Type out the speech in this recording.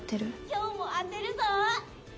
「今日も当てるぞ！」。